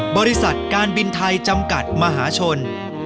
บริษัทการบินไทยจำกัดมหาชน